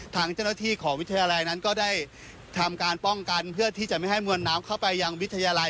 ทางเจ้าหน้าที่ของวิทยาลัยนั้นก็ได้ทำการป้องกันเพื่อที่จะไม่ให้มวลน้ำเข้าไปยังวิทยาลัย